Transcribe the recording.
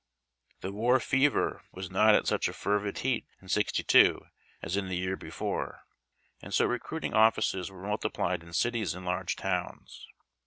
The war fever was not at such a fervid heat in '62 as in the year before, and so recruiting offices were multiplied in cities and large towns.